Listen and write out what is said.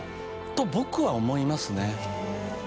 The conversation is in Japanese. と僕は思いますね。